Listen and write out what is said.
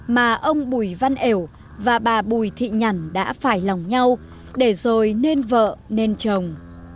mà ông bùi văn ểu và bà bùi thị nhản đã phải lòng nhau để rồi nên vợ nên chồng